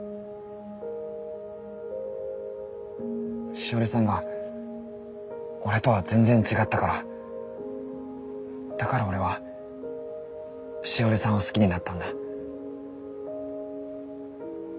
しおりさんが俺とは全然違ったからだから俺はしおりさんを好きになったんだ。